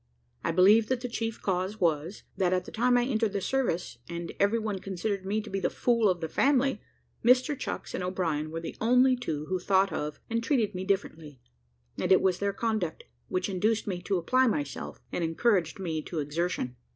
I believe that the chief cause was, that at the time I entered the service, and every one considered me to be the fool of the family, Mr Chucks and O'Brien were the only two who thought of and treated me differently; and it was their conduct which induced me to apply myself, and encouraged me to exertion.